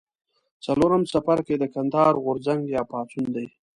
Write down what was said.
څلورم څپرکی د کندهار غورځنګ یا پاڅون دی.